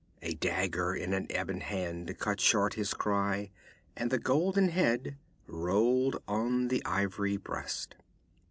A dagger in an ebon hand cut short his cry, and the golden head rolled on the ivory breast.